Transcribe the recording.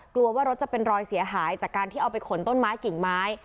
กลัวว่ารถจะเป็นรอยเสียหายจากการที่เอาไปขนต้นไม้กิ่งไม้